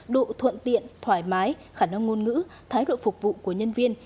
độ thuận tiện thoải mái khả năng ngôn ngữ thái độ phục vụ của nhân viên